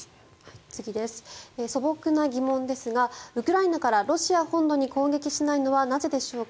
素朴な疑問ですがウクライナからロシア本土に攻撃しないのはなぜでしょうか？